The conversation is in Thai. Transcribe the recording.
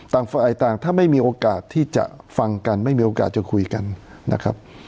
ฝ่ายต่างถ้าไม่มีโอกาสที่จะฟังกันไม่มีโอกาสจะคุยกันนะครับ